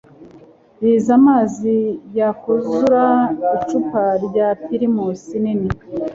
Biza amazi yakuzura icupa rya pirimusi nini